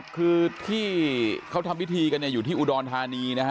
คือที่เขาทำพิธีกันอยู่ที่อุดรธานีนะฮะ